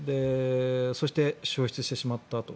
そして焼失してしまったと。